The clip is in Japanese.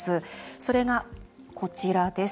それが、こちらです。